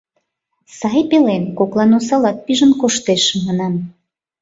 — Сай пелен коклан осалат пижын коштеш, — манам.